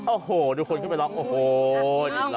อ๋อโอ้โหทุกคนเข้าไปร้องโอ้โหขนาดหน้า